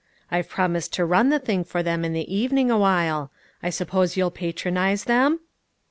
I've promised to run the thing for them in the even ing awhile; I suppose you'll patronize them?"